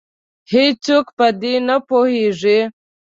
هیڅوک په دې نه پوهیږې